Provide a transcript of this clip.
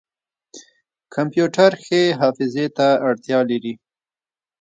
کمپیوټر ښې حافظې ته اړتیا لري.